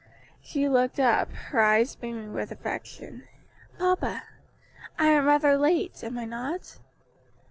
She looked up, her eyes beaming with affection; "Papa; I am rather late, am I not?"